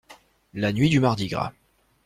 La nuit du Mardi-Gras.